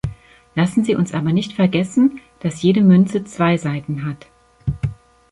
Lassen Sie uns aber nicht vergessen, dass jede Münze zwei Seiten hat.